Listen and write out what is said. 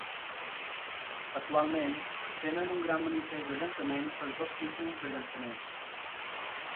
Actualment, tenen un gran manifest de llançament per als dos tipus de llançaments.